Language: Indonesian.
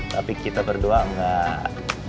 tapi kita berdua enggak